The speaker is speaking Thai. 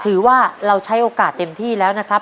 ถือว่าเราใช้โอกาสเต็มที่แล้วนะครับ